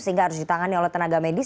sehingga harus ditangani oleh tenaga medis